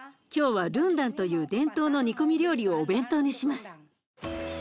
今日はルンダンという伝統の煮込み料理をお弁当にします。